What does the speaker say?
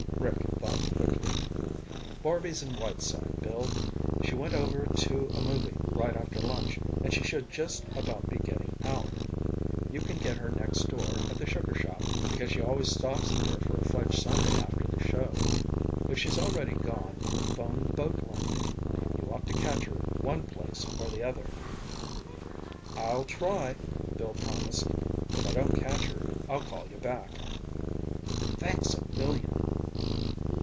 Rick thought quickly. "Barby's in Whiteside, Bill. She went over to a movie right after lunch, and she should just about be getting out. You can get her next door at the Sugar Shop, because she always stops in there for a fudge sundae after the show. If she's already gone, phone the boat landing. You ought to catch her one place or the other." "I'll try," Bill promised. "If I don't catch her, I'll call you back." "Thanks a million."